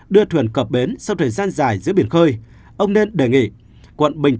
đưa thuyền cập bến sau thời gian dài giữa biển khơi ông nên đề nghị